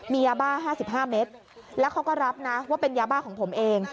มียาบ้า๕๕เมตรแล้วเขาก็รับนะว่าเป็นยาบ้าของผมเอง